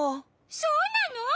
そうなの！？